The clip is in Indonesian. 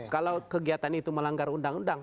kalau kegiatan itu melanggar undang undang